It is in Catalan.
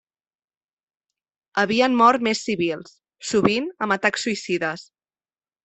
Havien mort més civils, sovint amb atacs suïcides.